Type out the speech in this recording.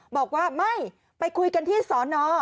บอกว่าไม่ไปคุยกันที่สอนอ